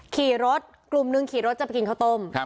ขี่รถกลุ่มหนึ่งขี่รถจะไปกินข้าวต้ม